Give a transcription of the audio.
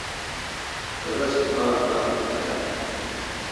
رس آر باگ تہ تلا۔